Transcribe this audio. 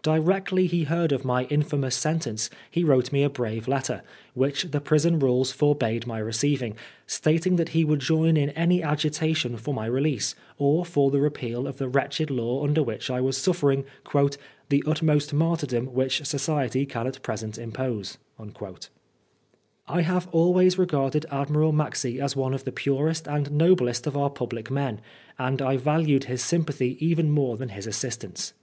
Directly he heard of my infamous sentence he wrote me a brave letter, which the prison roles forbade my receiving, stating that he would join in any agitation for my release, or for the repeal of the wretched law under which I was suflEering " the utmost mart3rrdom which society can at present impose.^' I have always regarded Admiral Maxse as one of the purest and noblest of our public men, and I valued his sympathy even more than his assistance.